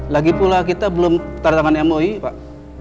lagi pula kita belum taruh tangan moi pak